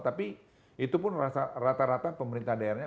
tapi itu pun rata rata pemerintah daerahnya